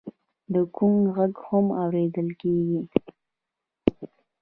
د ګونګ غږ هم اورېدل کېږي.